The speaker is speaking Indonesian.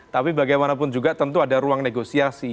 tapi bagaimanapun juga tentu ada ruang negosiasi